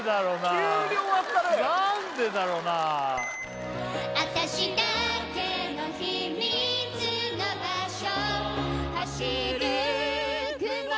急に終わったね何でだろうなあたしだけの秘密の場所